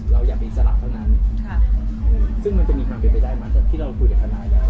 เราอยากมีสละเท่านั้นซึ่งมันจะมีความเป็นไปได้ไหมที่เราคุยกับทนายแล้ว